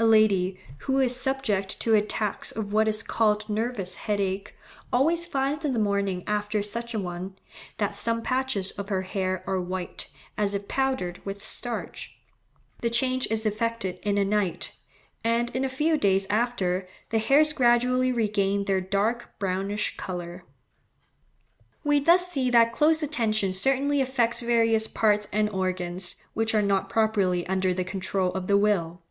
A lady "who is subject to attacks of what is called nervous headache, always finds in the morning after such an one, that some patches of her hair are white, as if powdered with starch. The change is effected in a night, and in a few days after, the hairs gradually regain their dark brownish colour." We thus see that close attention certainly affects various parts and organs, which are not properly under the control of the will.